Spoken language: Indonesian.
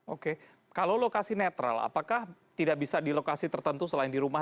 oke kalau lokasi netral apakah tidak bisa di lokasi tertentu selain di rumah